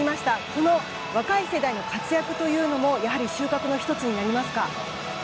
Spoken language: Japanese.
この若い世代の活躍というのもやはり収穫の１つになりますか？